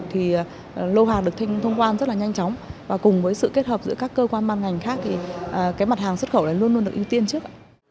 thì lô hàng được thông quan rất là nhanh chóng và cùng với sự kết hợp giữa các cơ quan ban ngành khác thì cái mặt hàng xuất khẩu này luôn luôn được ưu tiên trước ạ